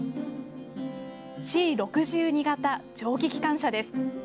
Ｃ６２型蒸気機関車です。